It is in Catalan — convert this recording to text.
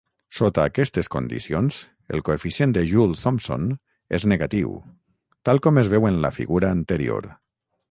Sota aquestes condicions, el coeficient de Joule-Thomson és negatiu, tal com es veu en la figura anterior.